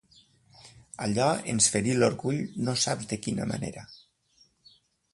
Allò ens ferí l'orgull no saps de quina manera.